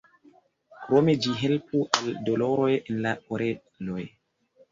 Krome ĝi helpu al doloroj en la oreloj.